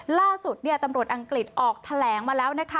ล่าสุดตำรวจอังกฤษออกแถลงมาแล้วนะคะ